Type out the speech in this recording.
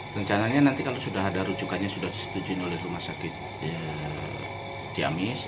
rencananya nanti kalau sudah ada rujukannya sudah disetujui oleh rumah sakit ciamis